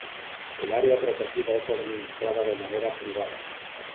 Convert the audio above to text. El área protegida es administrada de manera privada.